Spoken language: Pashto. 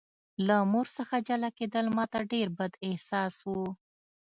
له مور څخه جلا کېدل ماته ډېر بد احساس و